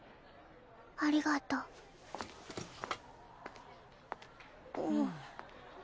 ありがとう。あっ。